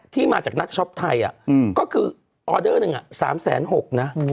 ที่มาจากนักช็อปไทยก็คือออเดอร์หนึ่ง๓๖๐๐นะ